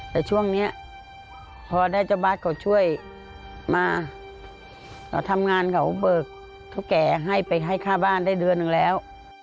แต่ช่วงนี้พอได้เจ้าบ้านเขาช่วยมาเราทำงานเขาเบิกเท่าแก่ให้ไปให้ค่าบ้านได้เดือนหนึ่งแล้ว